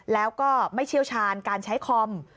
แล้วก็ไม่เชี่ยวชาญการใช้คอม